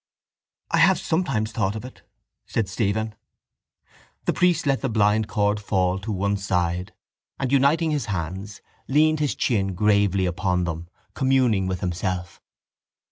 —I have sometimes thought of it, said Stephen. The priest let the blindcord fall to one side and, uniting his hands, leaned his chin gravely upon them, communing with himself.